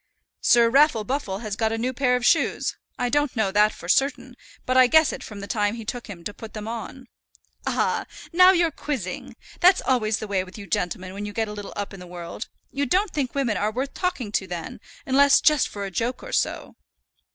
"Sir Raffle Buffle has got a new pair of shoes. I don't know that for certain, but I guess it from the time it took him to put them on." "Ah! now you're quizzing. That's always the way with you gentlemen when you get a little up in the world. You don't think women are worth talking to then, unless just for a joke or so."